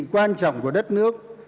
quan trọng của đất nước